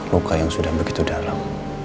luka yang sudah begitu dalam